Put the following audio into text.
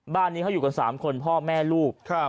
มาค่อยพูดมาค่อยจ้า